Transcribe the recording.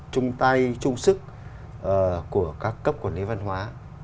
trung tay trung sức của các cấp quản lý văn hóa